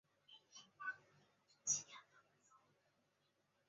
覃巴镇是下辖的一个乡镇级行政单位。